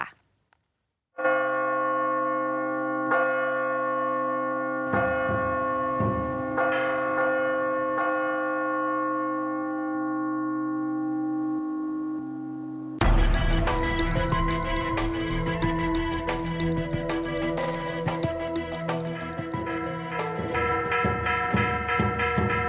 อ่า